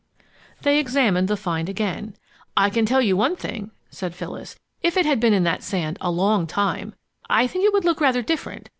They examined the find again. "I can tell you one thing," said Phyllis, "if it had been in that sand a long time, I think it would look rather different.